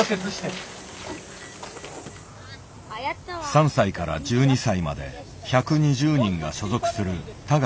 ３歳から１２歳まで１２０人が所属する多賀